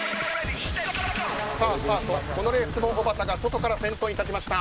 このレースもおばたが外から先頭にきました。